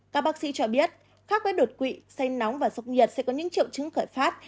các bác sĩ cho biết khác với đột quỵ say nóng và sốc nhiệt sẽ có những triệu chứng khởi phát